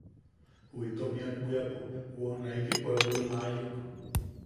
Jum itom jiak bwiapo woojnaiki pueplom aayuk.